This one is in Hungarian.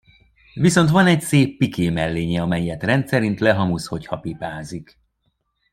Viszont van egy szép piké mellénye, amelyet rendszerint lehamuz, hogyha pipázik.